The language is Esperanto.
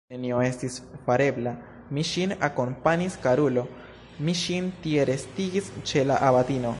Nenio estis farebla, mi ŝin akompanis, karulo, mi ŝin tie restigis ĉe la abatino!